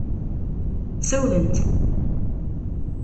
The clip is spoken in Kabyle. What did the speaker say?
Sawlent.